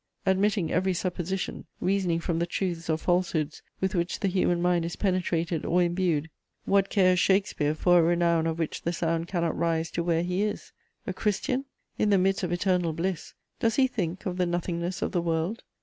Admitting every supposition, reasoning from the truths or falsehoods with which the human mind is penetrated or imbued, what cares Shakespeare for a renown of which the sound cannot rise to where he is? A Christian? In the midst of eternal bliss, does he think of the nothingness of the world?